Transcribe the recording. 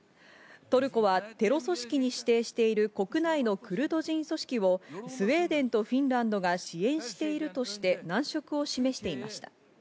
トルコはテロ組織に指定している国内のクルド人組織をスウェーデンとフィンランドが支援しているとして、難色を示していました。